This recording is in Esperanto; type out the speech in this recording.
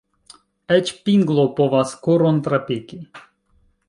Eĉ pinglo povas koron trapiki.